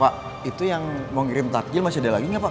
pak itu yang mau ngirim tatjil masih ada lagi gak pak